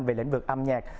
về lĩnh vực âm nhạc